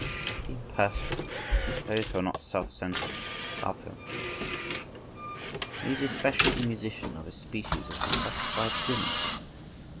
… The "impersonal," those who are not self centred, love him for this. He is especially the musician of a species of dissatisfied women.